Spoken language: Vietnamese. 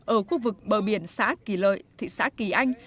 ở khu vực bờ biển xã kỳ lợi thị xã kỳ anh